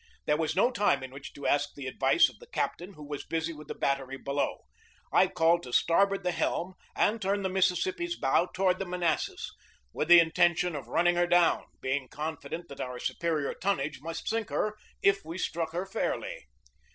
There was no time in which to ask the advice of the cap tain, who was busy with the battery below. I called to starboard the helm and turned the Mississippi's bow toward the Manassas, with the intention of run ning her down, being confident that our superior tonnage must sink her if we struck her fairly.